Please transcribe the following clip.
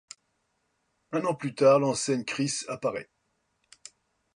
Un an plus tard, l’enseigne Krys apparaît.